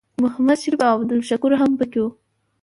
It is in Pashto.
محمد شریف او عبدالشکور هم پکې وو.